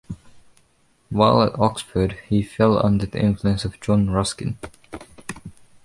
While at Oxford, he fell under the influence of John Ruskin.